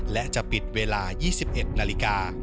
และจะปิดเวลา๒๑นาฬิกา